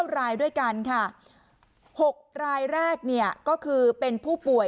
รายด้วยกันค่ะ๖รายแรกเนี่ยก็คือเป็นผู้ป่วย